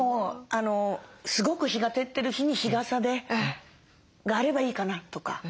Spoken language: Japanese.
すごく日が照ってる日に日傘があればいいかなとか。